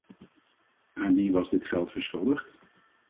Aan wie was dit geld verschuldigd?